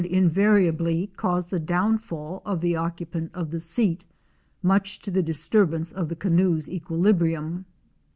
237 invariably cause the downfall of the occupant of the seat, much to the disturbance of the canoe's equilibrium.